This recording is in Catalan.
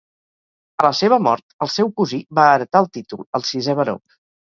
A la seva mort, el seu cosí va heretar el títol, el sisè Baró.